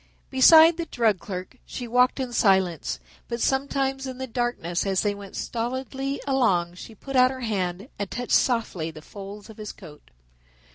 Beside the drug clerk she walked in silence, but sometimes in the darkness as they went stolidly along she put out her hand and touched softly the folds of his coat.